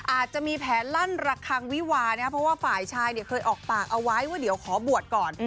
อาจจะมีแผนลั่นระคังวิวานะครับเพราะว่าฝ่ายชายเนี่ยเคยออกปากเอาไว้ว่าเดี๋ยวขอบวชก่อน